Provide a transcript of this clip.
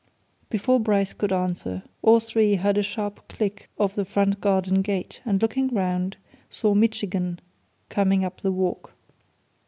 Before Bryce could answer, all three heard a sharp click of the front garden gate, and looking round, saw Mitchington coming up the walk.